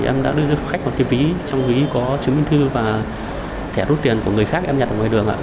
em đã đưa cho khách một cái ví trong ví có chứng minh thư và thẻ rút tiền của người khác em nhặt vào người đường ạ